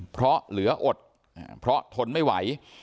เพราะเหลืออดเพราะทนไม่ไหว